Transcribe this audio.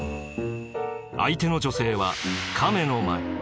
相手の女性は亀の前。